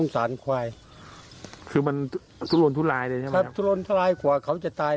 สงสารควาย